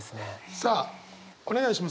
さあお願いします